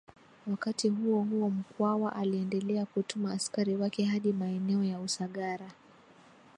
Wakati huohuo Mkwawa aliendelea kutuma askari wake hadi maeneo ya Usagara